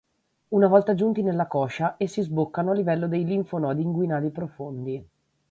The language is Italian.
Una volta giunti nella coscia, essi sboccano a livello dei linfonodi inguinali profondi.